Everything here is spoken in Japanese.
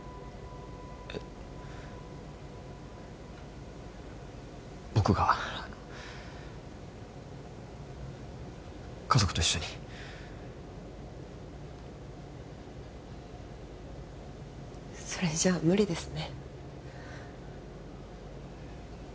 えっ僕が家族と一緒にそれじゃあ無理ですね